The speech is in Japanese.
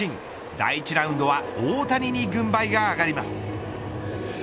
第１ラウンドは大谷に軍配が上がります。